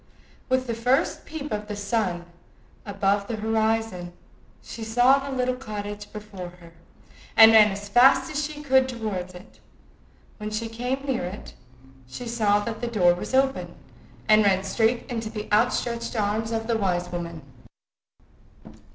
With the first peep of the sun above the horizon, she saw the little cottage before her, and ran as fast as she could run towards it, When she came near it, she saw that the door was open, and ran straight into the outstretched arms of the wise woman.